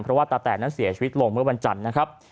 เพราะว่าตาแตนนั้นเสียชีวิตลงเมื่อวันจันทร์นะครับ